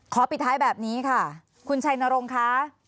ปิดท้ายแบบนี้ค่ะคุณชัยนรงค์ค่ะ